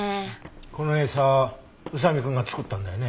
このエサ宇佐見くんが作ったんだよね？